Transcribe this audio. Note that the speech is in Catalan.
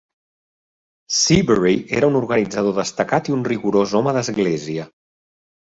Seabury era un organitzador destacat i un rigorós home d'església.